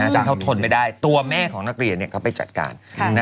ซึ่งเขาทนไม่ได้ตัวแม่ของนักเรียนเขาไปจัดการ